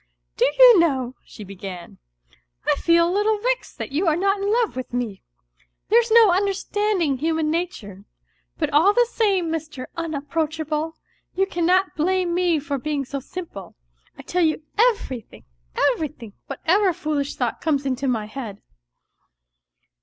" Do you know," she began, " I feel a little vexed that you are not in love with me ? There's no understanding human nature ! But all the same, Mr. Unapproachable, you cannot blame me for being so simple ; I tell you everything, everything, whatever foolish thought comes into my head."